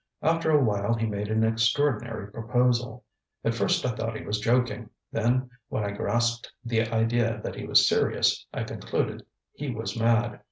After a while he made an extraordinary proposal. At first I thought he was joking, then when I grasped the idea that he was serious I concluded he was mad.